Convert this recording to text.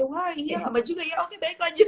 wah iya sama juga ya oke baik lanjut